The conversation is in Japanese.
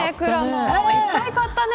いっぱい買ったね。